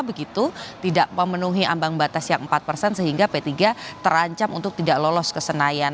begitu tidak memenuhi ambang batas yang empat persen sehingga p tiga terancam untuk tidak lolos ke senayan